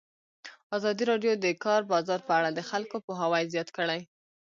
ازادي راډیو د د کار بازار په اړه د خلکو پوهاوی زیات کړی.